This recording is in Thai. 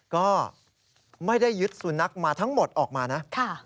ก็ไม่ได้ยึดสุนัขมาทั้งหมดออกมานะ